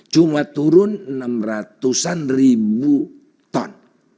cuma turun enam ratusan ribu ton